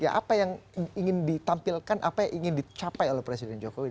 apa yang ingin ditampilkan apa yang ingin dicapai oleh presiden jokowi